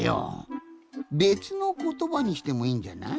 べつのことばにしてもいいんじゃない？